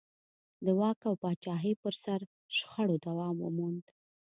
د واک او پاچاهۍ پر سر شخړو دوام وموند.